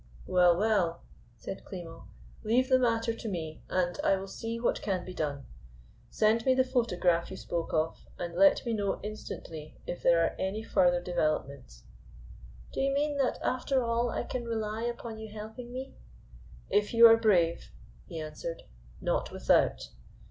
"Well, well!" said Klimo, "leave the matter to me, and I will see what can be done. Send me the photograph you spoke of, and let me know instantly if there are any further developments." "Do you mean that after all I can rely upon you helping me?" "If you are brave," he answered, "not without.